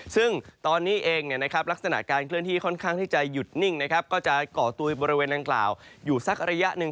ซึ่งตอนนี้เองลักษณะการเคลื่อนที่ค่อนข้างที่จะหยุดนิ่งก็จะก่อตัวบริเวณดังกล่าวอยู่สักระยะหนึ่ง